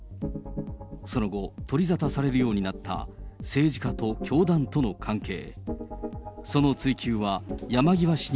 その後、取り沙汰されるようになった政治家と教団との関係。